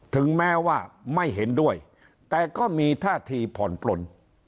ถึงแม้ว่าไม่เห็นด้วยแต่ก็มีท่าทีผ่อนปลน